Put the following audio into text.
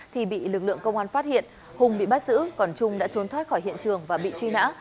thì bị lực lượng công an phát hiện hùng bị bắt giữ còn trung đã trốn thoát khỏi hiện trường và bị truy nã